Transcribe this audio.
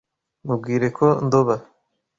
Mubwire ko ndoba